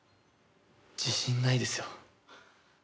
自信ないですよ。